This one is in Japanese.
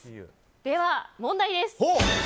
では、問題です！